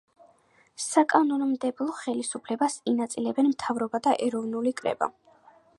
საკანონმდებლო ხელისუფლებას ინაწილებენ მთავრობა და ეროვნული კრება.